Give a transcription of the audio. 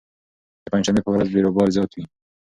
د پنجشنبې په ورځ بېروبار زیات وي.